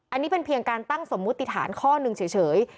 อันนี้เป็นเพียงการตั้งสมมุติฐานข้อหนึ่งเฉย